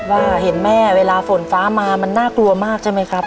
ว่าเห็นแม่เวลาฝนฟ้ามามันน่ากลัวมากใช่ไหมครับ